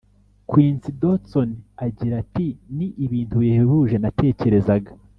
Quincy Dotson agira ati ni ibintu bihebuje Natekerezaga